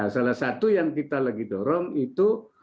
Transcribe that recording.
salah satu yang kita lagi dorong itu